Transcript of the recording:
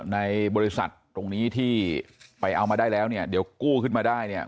ในบริษัทตรงนี้ที่ไปเอามาได้แล้วเนี่ยเดี๋ยวกู้ขึ้นมาได้เนี่ย